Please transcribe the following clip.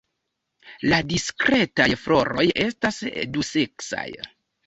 La diskretaj floroj estas duseksaj.